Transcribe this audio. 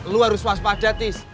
lo harus waspada tis